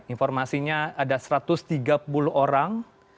informasinya ada satu ratus tiga puluh orang